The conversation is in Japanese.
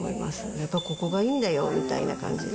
やっぱここがいいんだよみたいな感じで。